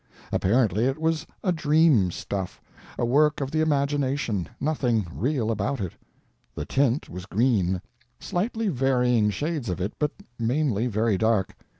Apparently it was a dream stuff, a work of the imagination, nothing real about it. The tint was green, slightly varying shades of it, but mainly very dark.